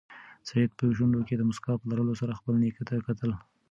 سعید په شونډو کې د موسکا په لرلو سره خپل نیکه ته کتل.